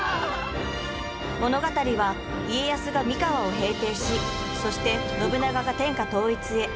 物語は家康が三河を平定しそして信長が天下統一へ。